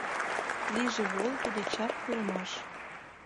Лийже волгыдо чап курымаш!